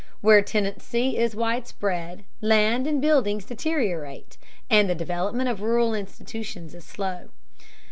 Where tenancy is widespread, land and buildings deteriorate, and the development of rural institutions is slow.